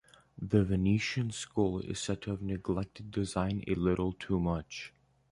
The Venetian school is said to have neglected design a little too much.